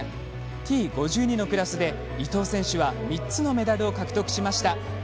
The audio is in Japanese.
Ｔ５２のクラスで伊藤選手は３つのメダルを獲得しました。